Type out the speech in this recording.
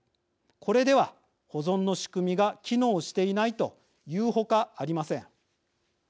これでは保存の仕組みが機能していないと言うほかありません。